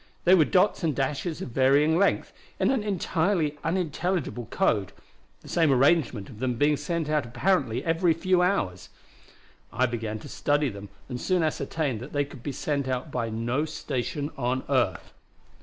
They were dots and dashes of varying length in an entirely unintelligible code, the same arrangement of them being sent out apparently every few hours. "I began to study them and soon ascertained that they could be sent out by no station on earth.